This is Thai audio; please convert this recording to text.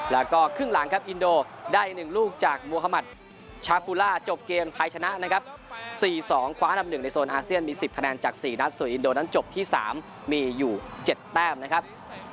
แล้วก็ครึ่งหลังครับอินโดได้๑ลูกจากโมฮามัติชาฟูล่าจบเกมไทยชนะนะครับ๔๒คว้าอันดับ๑ในโซนอาเซียนมี๑๐คะแนนจาก๔นัดส่วนอินโดนั้นจบที่๓มีอยู่๗แต้มนะครับ